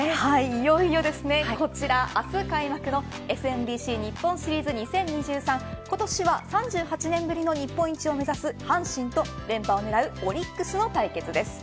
いよいよですね。こちらはあす開幕のＳＭＢＣ日本シリーズ２０２３今年は３８年ぶりの日本一を目指す阪神と連覇を狙うオリックスの対決です。